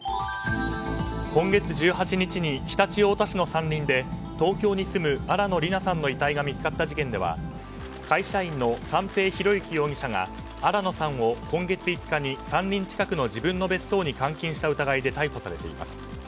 今月１８日に常陸太田市の山林で東京に住む新野りなさんの遺体が見つかった事件では会社員の三瓶博幸容疑者が新野さんを今月５日に山林近くの自分の別荘に監禁した疑いで逮捕されています。